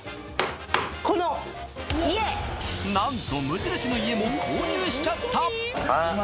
この何と無印の家も購入しちゃった